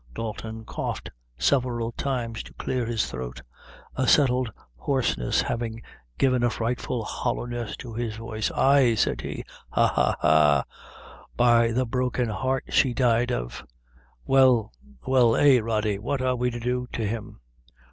Dalton coughed several times, to clear his throat; a settled hoarseness having given a frightful hollowness to his voice. "Ay," said he "ha, ha, ha by the broken heart she died of well well eh, Rody, what are we to do to him?"